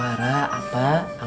ada teman aja